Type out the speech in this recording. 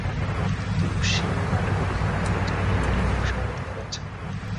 তো, সেই নাটকে দেখি, আমাদের জানা গল্পটি অনেক সময়ই থেমে যাচ্ছে।